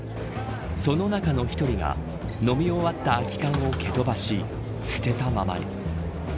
その中の１人が飲み終わった空き缶を蹴飛ばし捨てたまま。